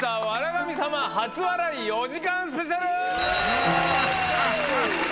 神様初笑い４時間スペシャル。